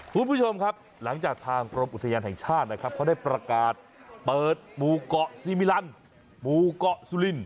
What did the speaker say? คุณผู้ชมครับหลังจากทางกรมอุทยานแห่งชาตินะครับเขาได้ประกาศเปิดหมู่เกาะซีมิลันหมู่เกาะสุลิน